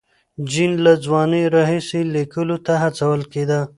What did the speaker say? جین له ځوانۍ راهیسې لیکلو ته هڅول کېده.